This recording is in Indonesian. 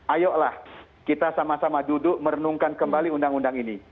ayolah kita sama sama duduk merenungkan kembali undang undang ini